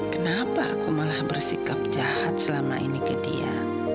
kenapa aku malah bersikap jahat selama ini ke dia